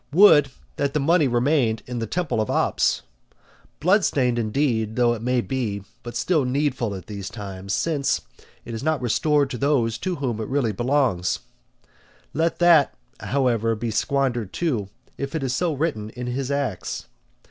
Would that the money remained in the temple of Opis! Bloodstained, indeed, it may be, but still needful at these times, since it is not restored to those to whom it really belongs. Let that, however, be squandered too, if it is so written in his acts.